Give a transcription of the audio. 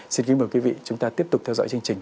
xin kính mời quý vị chúng ta tiếp tục theo dõi chương trình